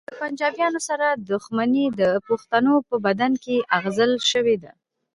د پنجابیانو سره دښمني د پښتنو په بدن کې اغږل شوې ده